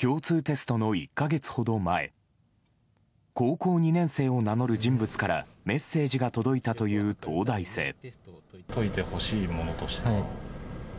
共通テストの１か月ほど前高校２年生を名乗る人物からメッセージが届いたという東大生。